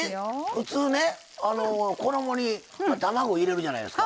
普通衣に卵入れるじゃないですか。